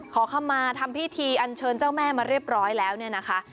ขอคำมาทำพิธีอันเชิญเจ้าแม่มาเรียบร้อยแล้วเนี่ยนะคะ